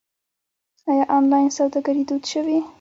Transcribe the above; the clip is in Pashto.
آیا آنلاین سوداګري دود شوې؟